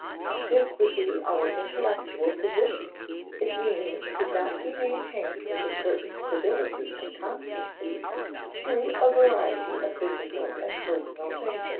This would be our intellectual position if meanings could not be maintained with a certain stability and constancy through a variety of physical and personal changes.